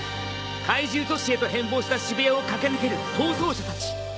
怪獣都市へと変貌した渋谷を駆け抜ける逃走者たち。